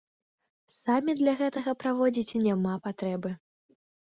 Саміт для гэтага праводзіць няма патрэбы!